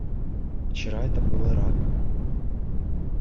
Вчера это был Ирак.